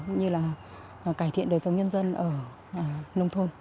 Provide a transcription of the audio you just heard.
cũng như là cải thiện đời sống nhân dân ở nông thôn